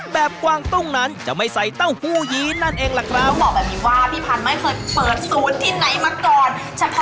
กวางตุ้งนั้นจะไม่ใส่เต้าหู้ยีนนั่นเองล่ะครับบอกแบบนี้ว่าพี่พันธ์ไม่เคยเปิดศูนย์ที่ไหนมาก่อน